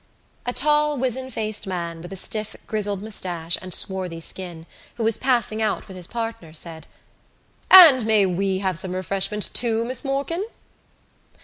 A tall wizen faced man, with a stiff grizzled moustache and swarthy skin, who was passing out with his partner said: "And may we have some refreshment, too, Miss Morkan?"